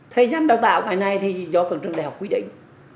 thời gian đào tạo của cái này thì do cần trường đại học quyết định